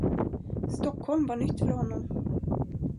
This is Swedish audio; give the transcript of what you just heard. Stockholm var nytt för honom.